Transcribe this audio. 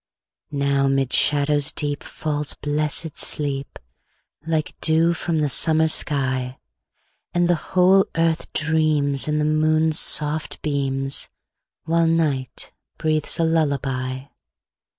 Now 'mid shadows deep Falls blessed sleep, Like dew from the summer sky; And the whole earth dreams, In the moon's soft beams, While night breathes a lullaby.